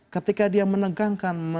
ketika dia menegangkan